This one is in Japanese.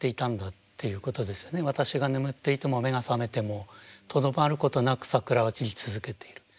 私が眠っていても目が覚めてもとどまることなく桜は散り続けている。